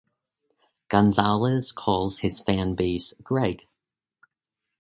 Gonzalez calls his fanbase "Greg".